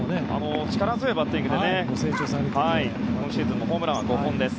力強いバッティングで今シーズンもホームランは５本です。